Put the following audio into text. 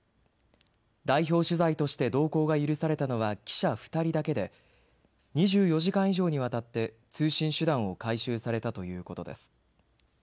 代表取材として同行が許されたのは記者２人だけで２４時間以上にわたって通信手段を回収されたということです。